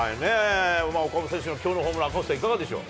岡本選手のきょうのホームラン、赤星さん、いかがでしょう。